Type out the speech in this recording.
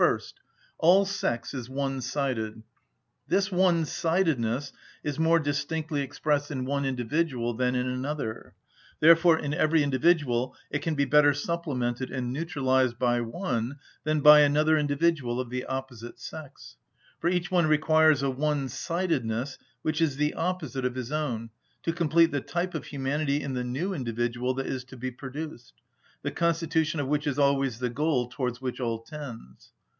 First: all sex is one‐sided. This one‐sidedness is more distinctly expressed in one individual than in another; therefore in every individual it can be better supplemented and neutralised by one than by another individual of the opposite sex, for each one requires a one‐ sidedness which is the opposite of his own to complete the type of humanity in the new individual that is to be produced, the constitution of which is always the goal towards which all tends.